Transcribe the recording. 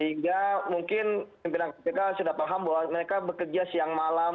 sehingga mungkin pimpinan kpk sudah paham bahwa mereka bekerja siang malam